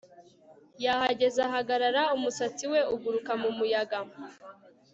Yahagaze ahagarara umusatsi we uguruka mumuyaga